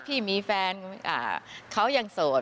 พี่มีแฟนเขายังโสด